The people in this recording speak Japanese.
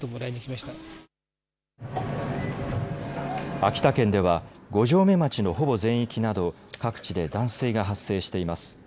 秋田県では五城目町のほぼ全域など各地で断水が発生しています。